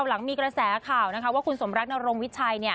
หลังมีกระแสข่าวว่าคุณสมรักนรงวิชัย